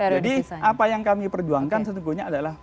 jadi apa yang kami perjuangkan setengahnya adalah